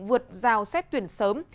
vượt giao xét tuyển sớm